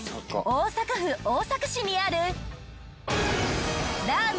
大阪府大阪市にある。